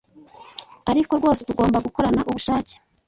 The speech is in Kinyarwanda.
Ariko rwose tugomba gukorana ubushake,